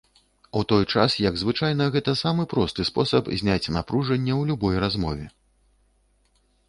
У той час як звычайна гэта самы просты спосаб зняць напружанне ў любой размове.